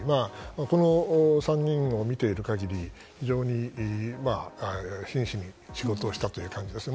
この３人を見ていると非常に真摯に仕事したという感じですね。